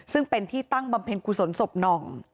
ซึ่งเป็นที่ตั้งบำเพ็ญกุศลศพหน่อง